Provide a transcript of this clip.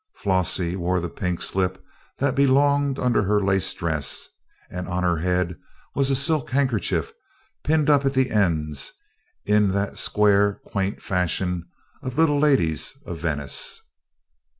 Flossie wore the pink slip that belonged under her lace dress, and on her head was a silk handkerchief pinned up at the ends, in that square quaint fashion of little ladies of Venice.